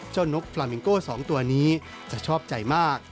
นกฟราเมงโก้๒ตัวนี้จะชอบใจมาก